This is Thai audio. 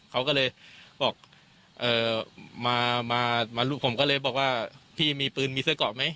เขาก็เลยบอกมาลูกผมก็เลยบอกว่าพี่มีปืนมีเสื้อเกาะไหม